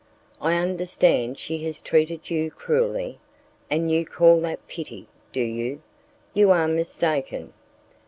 "I understand she has treated you cruelly, and you call that pity, do you? You are mistaken."